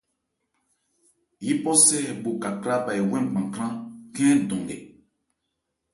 Yípɔsɛ bho kakrâ bha ewɛ́n gbankhrân khɛ́n dɔn nkɛ.